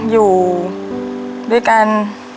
อยู่ด้วยกัน